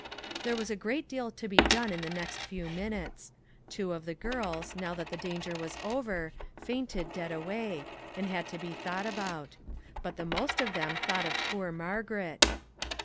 There was a great deal to be done in the next few minutes; two of the girls, now that the danger was over, fainted dead away, and had to be thought about; but the most of them thought of poor Margaret.